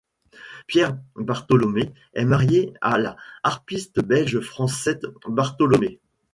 Pierre Bartholomée est marié à la harpiste belge Francette Bartholomée.